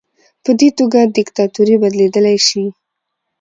په دې توګه دیکتاتوري بدلیدلی شي.